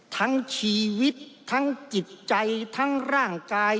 ทั้งชีวิตทั้งจิตใจทั้งร่างกาย